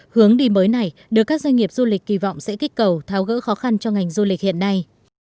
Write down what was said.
hướng đi mới này được các doanh nghiệp du lịch kỳ vọng sẽ kích cầu tháo gỡ khó khăn cho ngành du lịch hiện nay